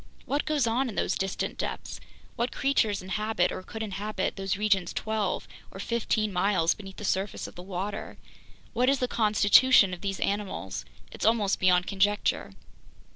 What goes on in those distant depths? What creatures inhabit, or could inhabit, those regions twelve or fifteen miles beneath the surface of the water? What is the constitution of these animals? It's almost beyond conjecture.